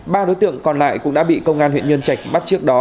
ba đối tượng còn lại cũng đã bị công an huyện nhân trạch bắt trước đó